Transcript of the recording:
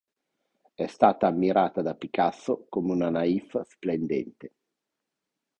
È stata ammirata da Picasso come una "naif splendente".